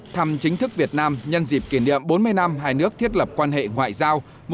thăm chính thức việt nam nhân dịp kỷ niệm bốn mươi năm hai nước thiết lập quan hệ ngoại giao